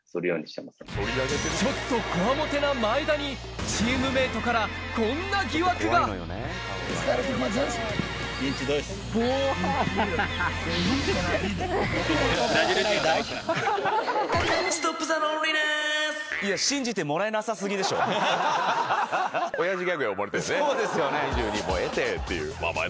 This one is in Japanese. ちょっとコワモテな前田にチームメートからこんな疑惑がそうですよね。